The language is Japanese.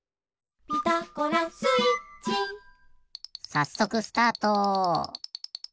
さっそくスタート！